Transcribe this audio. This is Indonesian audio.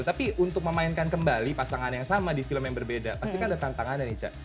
tapi untuk memainkan kembali pasangan yang sama di film yang berbeda pastikan ada tantangan ya nih ca